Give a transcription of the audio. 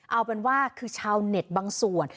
เอาเป็นว่าคือชาวเน็ตบางส่วน